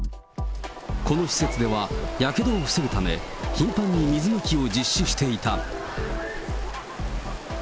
この施設ではやけどを防ぐため、頻繁に水まきを実施していた。